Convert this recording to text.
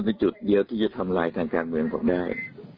เป็นจุดเดียวที่จะทำลายทางการเมืองผมได้